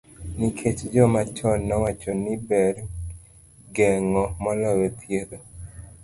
Nikech joma chon nowacho ni ber geng'o moloyo thiedho.